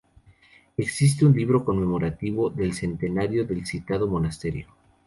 Existe un libro conmemorativo del centenario del citado monasterio.